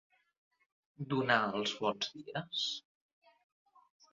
Donar els bons dies.